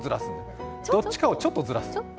どっちかをちょっとずらす。